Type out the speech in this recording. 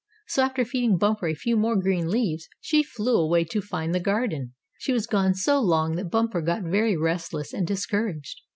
So after feeding Bumper a few more green leaves, she flew away to find the garden. She was gone so long that Bumper got very restless and discouraged.